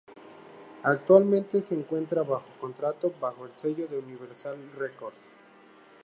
Actualmente se encuentra bajo contrato bajo el sello de Universal Records.